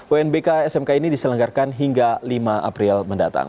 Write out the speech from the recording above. unbk smk ini diselenggarkan hingga lima april mendatang